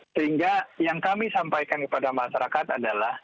sehingga yang kami sampaikan kepada masyarakat adalah